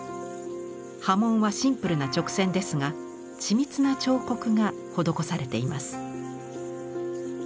刃文はシンプルな直線ですが緻密な彫刻が施されています。